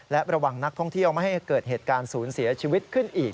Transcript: และระวังนักท่องเที่ยวไม่ให้เกิดเหตุการณ์ศูนย์เสียชีวิตขึ้นอีก